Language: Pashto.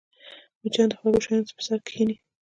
مچان د خوږو شیانو پر سر کښېني